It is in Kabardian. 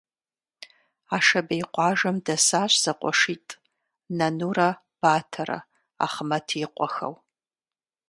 Ашабей къуажэм дэсащ зэкъуэшитӀ Нанурэ Батэрэ - Ахъмэт и къуэхэу.